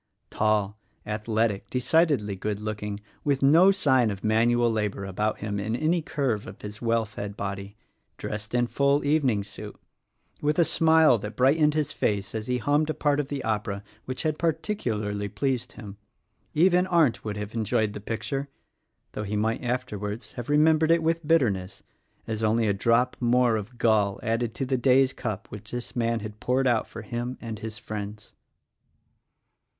Tall, athletic, — decidedly good looking — with no sign of manual labor about him in any curve of his well fed body, dressed in full evening suit, with a smile that brightened his face as he hummed a part of the opera which had particularly pleased him — even Arndt would have enjoyed the picture (though he might afterwards have remembered it with bitterness as only a drop more of gall added to the day's cup which this man had poured out for him and his friends).